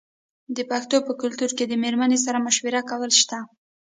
د پښتنو په کلتور کې د میرمنې سره مشوره کول شته.